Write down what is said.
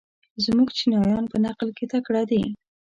زموږ چینایان په نقل کې تکړه دي.